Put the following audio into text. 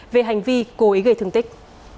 về hành vi cố ý gây thương tích